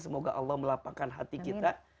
semoga allah melapangkan hati kita